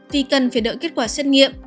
vì cần phải đợi kết quả xét nghiệm